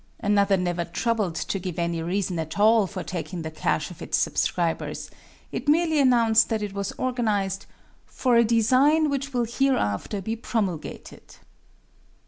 Another never troubled to give any reason at all for taking the cash of its subscribers it merely announced that it was organized "for a design which will hereafter be promulgated."